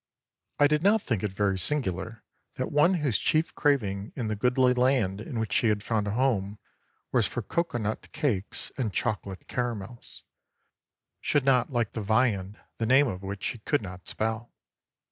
I did not think it very singular that one whose chief craving in the goodly land in which she had found a home was for cocoanut cakes and chocolate caramels, should not like the viand the name of which she could not spell.